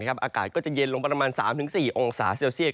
อากาศก็จะเย็นลงประมาณ๓๔องศาเซลเซียต